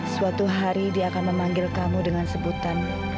suatu hari dia akan memanggil kamu dengan sebutan